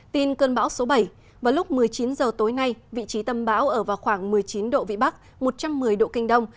tin cơn bão số bảy vào lúc một mươi chín h tối nay vị trí tâm bão ở vào khoảng một mươi chín độ vĩ bắc một trăm một mươi độ kinh đông